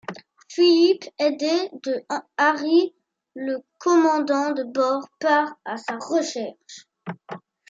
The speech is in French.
Philip, aidé de Harry, le commandant de bord, part à sa recherche.